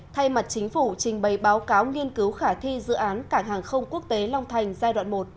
thay mặt chính phủ trình bày báo cáo nghiên cứu khả thi dự án cảng hàng không quốc tế long thành giai đoạn một